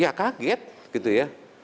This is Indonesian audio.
ya kaget gitu ya